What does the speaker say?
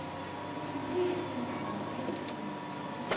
Anda ay asen-tgezmeḍ iɣfawen-nsen?